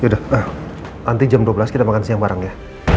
sudah nanti jam dua belas kita makan siang bareng ya